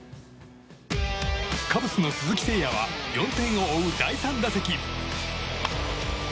カブスの鈴木誠也は４点を追う第３打席。